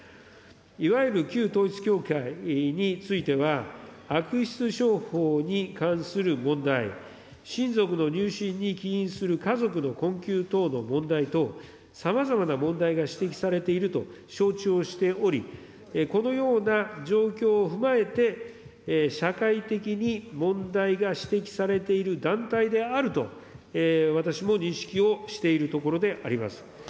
いわゆる旧統一教会については、悪質商法に関する問題、親族の入信に起因する家族の困窮等の問題等、さまざまな問題が指摘されていると承知をしており、このような状況を踏まえて、社会的に問題が指摘されている団体であると、私も認識をしているところであります。